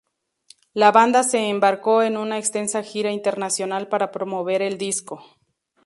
La banda se embarcó en una extensa gira internacional para promover el disco.